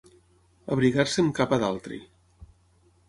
Abrigar-se amb capa d'altri.